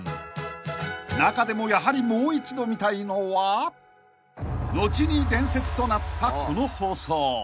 ［中でもやはりもう一度見たいのは後に伝説となったこの放送］